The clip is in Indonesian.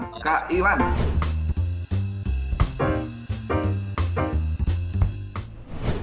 pertama kali saya berbicara tentang umkm